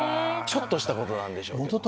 ちょっとしたことなんでしょうけど。